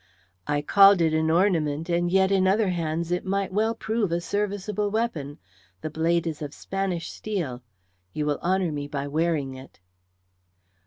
"I called it an ornament, and yet in other hands it might well prove a serviceable weapon. The blade is of Spanish steel. You will honour me by wearing it."